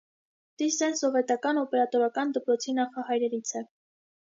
Տիսսեն սովետական օպերատորական դպրոցի նախահայրերից է։